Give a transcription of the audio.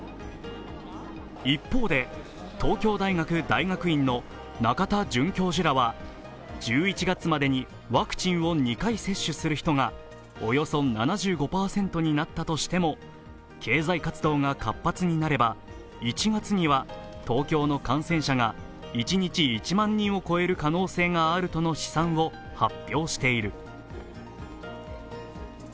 一方で東京大学大学院の仲田准教授らは１１月までにワクチンを２回接種する人がおよそ７５％となったとしても、経済活動が活発になれば１月には東京の感染者が一日１万人を超える可能性があるとの試算を発表している。